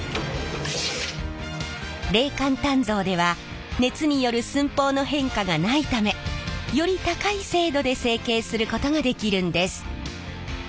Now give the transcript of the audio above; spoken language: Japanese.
冷間鍛造では熱による寸法の変化がないためより高い精度で成形することができるんです。